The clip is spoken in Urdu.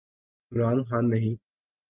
عمران خان نہیں۔